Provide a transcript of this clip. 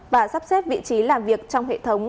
và sắp xếp vị trí làm việc trong hệ thống